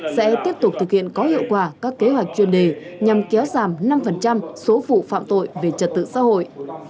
sẽ tiếp tục thực hiện có hiệu quả các kế hoạch chuyên đề nhằm kéo giảm năm số vụ phạm tội về trật tự xã hội